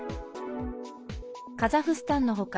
カザフスタンの他